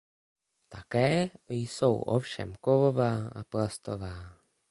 Také jsou ovšem kovová a plastová.